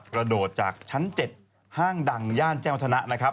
ประโดดจากชั้น๗ห้างดังย่านแจ้งวัฒนะ